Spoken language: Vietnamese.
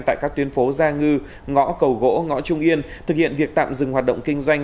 tại các tuyến phố gia ngư ngõ cầu gỗ ngõ trung yên thực hiện việc tạm dừng hoạt động kinh doanh